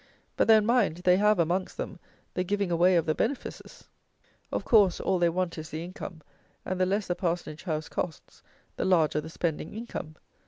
But, then, mind, they have, amongst them, the giving away of the benefices! Of course, all they want is the income, and, the less the parsonage house costs, the larger the spending income.